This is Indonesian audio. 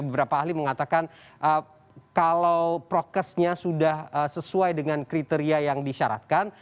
beberapa ahli mengatakan kalau prokesnya sudah sesuai dengan kriteria yang disyaratkan